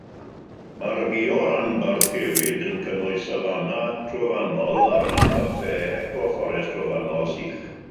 Mae'r bio-ranbarth hefyd yn cynnwys safana trofannol a rhanbarthau eco fforest drofannol sych.